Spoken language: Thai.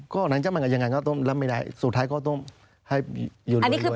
ก็แน่นแจ้งใหม่ก็ยังไงก็ต้องรับไม่ได้สุดท้ายก็ต้องให้อยู่เรื่อย